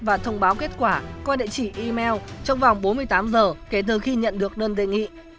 và thông báo kết quả qua địa chỉ email trong vòng bốn mươi tám giờ kể từ khi nhận được đơn đề nghị